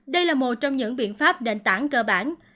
đây là một trong những biện pháp đền tảng cơ bản